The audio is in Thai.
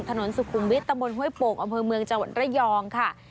ถนนสุขุมวิทยตะบนห้วยโป่งอำเภอเมืองจังหวัดระยองค่ะ